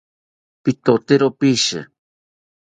Pitotero pishi